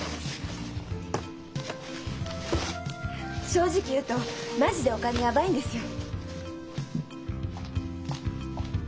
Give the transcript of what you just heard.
正直言うとマジでお金やばいんですよ。